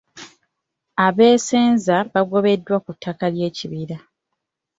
Abeesenza baagobebwa ku ttaka ly'ekibira.